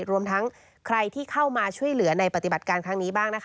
รวมทั้งใครที่เข้ามาช่วยเหลือในปฏิบัติการครั้งนี้บ้างนะคะ